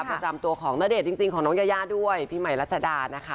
ประจำตัวของณเดชน์จริงของน้องยายาด้วยพี่ใหม่รัชดานะคะ